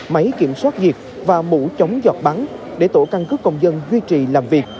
máy kiểm soát diệt và mũ chống giọt bắn để tổ căn cứ công dân duy trì làm việc